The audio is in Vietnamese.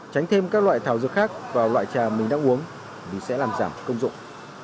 tránh thêm các loại thảo dược khác vào loại trà mình đã uống vì sẽ làm giảm công dụng